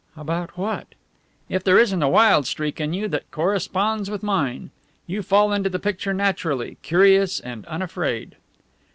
"About what?" "If there isn't a wild streak in you that corresponds with mine. You fall into the picture naturally curious and unafraid."